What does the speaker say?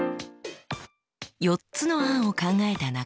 ４つの案を考えた中村さん。